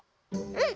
うん。